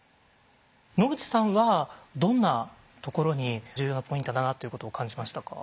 野口さんはどんなところに重要なポイントだなということを感じましたか？